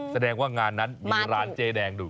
แสดงว่างานนั้นมีร้านเจ๊แดงดู